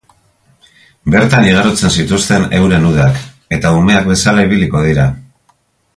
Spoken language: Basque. Bertan igarotzen zituzten euren udak, eta umeak bezala ibiliko dira.